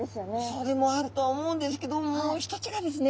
それもあるとは思うんですけどもう一つがですね